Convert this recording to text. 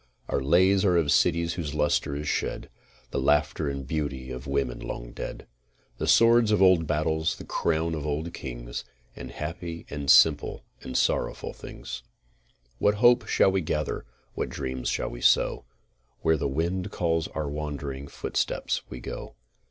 Our lays are of cities whose lustre is shed, The laughter and beauty of women long dead; The sword of old battles, the crown of old kings, And happy and simple and sorrowful things. What hope shall we gather, what dreams shall we sow? Where the wind calls our wandering footsteps we go.